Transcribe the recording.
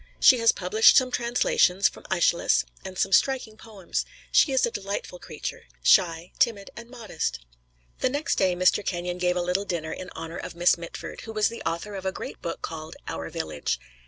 She has published some translations from Æschylus and some striking poems. She is a delightful creature, shy, timid and modest." The next day Mr. Kenyon gave a little dinner in honor of Miss Mitford, who was the author of a great book called, "Our Village."